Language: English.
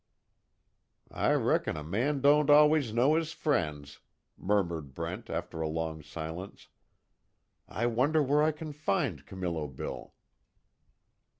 "I reckon a man don't always know his friends," murmured Brent, after a long silence, "I wonder where I can find Camillo Bill?"